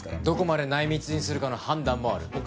どこまで内密にするかの判断もある。